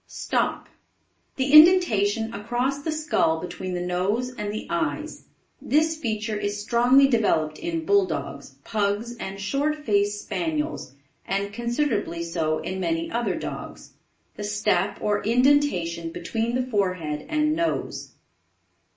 Stop. The indentation across the skull between the nose and the eyes. This feature is strongly developed in Bulldogs, Pugs and short faced Spaniels, and considerably so in many other dogs. The step or indentation between the forehead and nose.